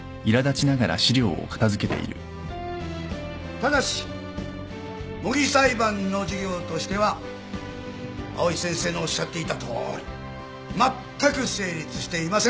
ただし模擬裁判の授業としては藍井先生のおっしゃっていたとおりまったく成立していません。